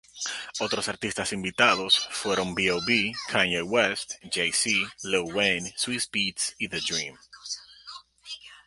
Otros artistas invitados fueron B.o.B., Kanye West, Jay-Z, Lil Wayne, Swizz Beatz y The-Dream.